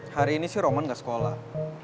hari ini sih roman gak sekolah